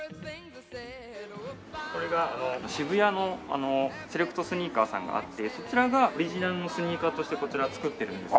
これが渋谷のセレクトスニーカーさんがあってそちらがオリジナルのスニーカーとしてこちら作ってるんです。